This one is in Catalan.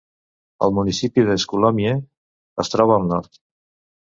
El municipi de Scullomie es troba al nord.